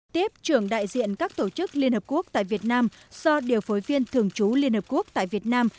tiếp trưởng đại diện các tổ chức liên hợp quốc tại việt nam do điều phối viên thường trú liên hợp quốc tại việt nam